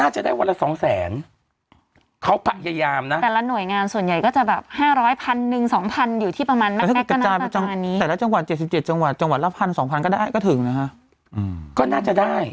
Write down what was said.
จังหวัดจังหวัดละพันสองพันก็ได้ก็ถึงนะคะอืมก็น่าจะได้